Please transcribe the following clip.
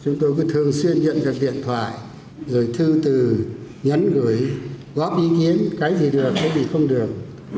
chúng tôi thương xuyên nhận được điện thoại rồi thư từ nhắn gửi góp ý kiến cái gì được cái gì không được